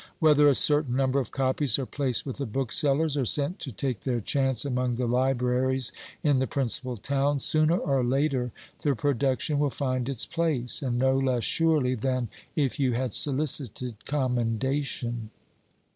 Whether a certain number of copies are placed with the booksellers, or sent to take their chance among the libraries in the principal towns, sooner or later the production will find its place, and no less surely than if you had solicited commendation.